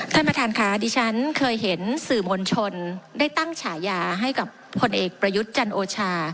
ท่านประธานค่ะดิฉันเคยเห็นสื่อมวลชนได้ตั้งฉายาให้กับพลเอกประยุทธ์จันโอชา